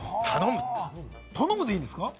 頼むでいいんですか？